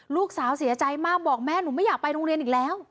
ลูกสาวเสียใจมากบอกแม่หนูไม่อยากไปโรงเรียนอีกแล้ว